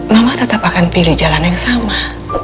mama tetap akan pilih jalan yang sama